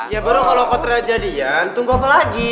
ya baru kalo kau ternyata jadian tunggu apa lagi